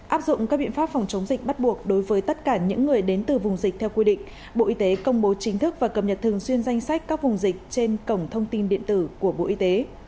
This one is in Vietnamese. áp dụng các biện pháp phòng chống dịch bắt buộc đối với tất cả những người đến từ vùng dịch theo quy định bộ y tế công bố chính thức và cập nhật thường xuyên danh sách các vùng dịch trên cổng thông tin điện tử của bộ y tế